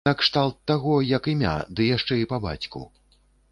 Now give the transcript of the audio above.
Накшталт таго, як імя, ды яшчэ і па бацьку.